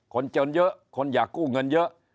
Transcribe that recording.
คนจนเยอะคนอยากกู้เงินเยอะ